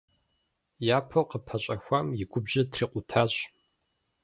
Япэу къыпэщӀэхуам и губжьыр трикъутащ.